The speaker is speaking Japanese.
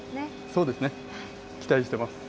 そうですね、期待してます。